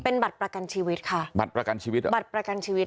เป็นบัตรประกันชีวิตค่ะบัตรประกันชีวิตเหรอบัตรประกันชีวิต